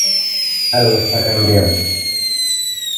Algo está cambiando.